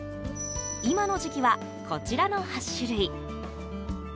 今の時期は、こちらの８種類。